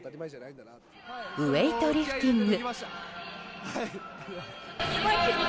ウェートリフティング。